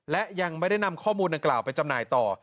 และยังไม่ได้นำข้อมูลดังกล่าวไปจำหน่ายต่อ